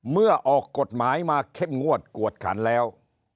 เมื่อออกกฎหมายมาเข้มงวดกวดขันแล้ว